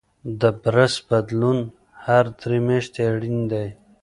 د برس بدلون هر درې میاشتې اړین دی.